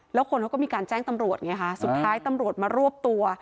แล้วคนเขาก็มีการแจ้งตำรวจไงคะสุดท้ายตำรวจมารวบตัว